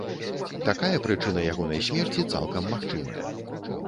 Такая прычына ягонай смерці цалкам магчымая.